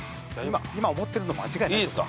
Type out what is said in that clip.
今思ってるの間違いないっす。